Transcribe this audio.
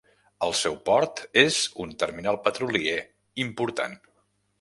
El seu port és un terminal petrolier important.